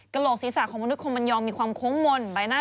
กระโหลกศีรษะของมนุษย์โคมันยองมีความโคมมน